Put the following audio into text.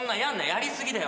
やりすぎだよ